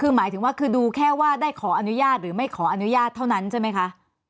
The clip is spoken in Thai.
คือหมายถึงว่าคือดูแค่ว่าได้ขออนุญาตหรือไม่ขออนุญาตเท่านั้นใช่ไหมคะ